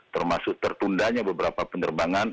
termasuk tertundanya beberapa penerbangan